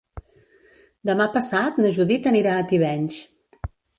Demà passat na Judit anirà a Tivenys.